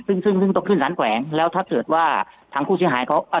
ซึ่งซึ่งซึ่งต้องขึ้นสารแขวงแล้วถ้าเกิดว่าทางผู้เสียหายเขาอ่า